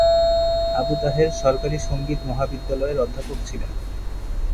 আবু তাহের সরকারি সঙ্গীত মহাবিদ্যালয়ের অধ্যাপক ছিলেন।